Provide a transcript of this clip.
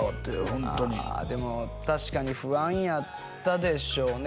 ホントにでも確かに不安やったでしょうね